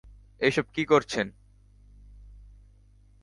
এসব কী করছেন?